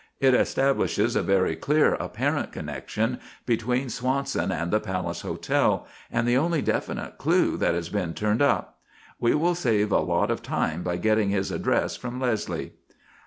It establishes a very clear apparent connection between Swanson and the Palace Hotel and the only definite clue that has been turned up. We will save a lot of time by getting his address from Leslie."